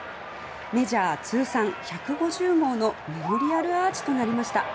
メジャー通算１５０号のメモリアルアーチとなりました。